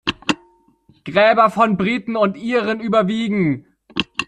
Gräber von Briten und Iren überwiegen.